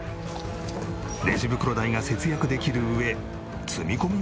レジ袋代が節約できる上積み込みも簡単。